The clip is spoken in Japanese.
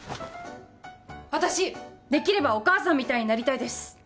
私できればお母さんみたいになりたいです